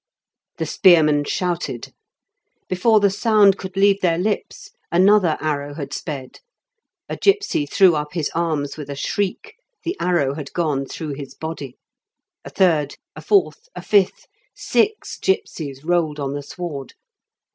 The spearmen shouted. Before the sound could leave their lips another arrow had sped; a gipsy threw up his arms with a shriek; the arrow had gone through his body. A third, a fourth, a fifth six gipsies rolled on the sward.